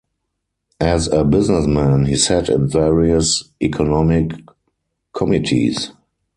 As a businessman he sat in various economic committees.